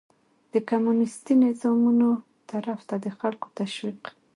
د کمونيستي نظامونو طرف ته د خلکو تشويق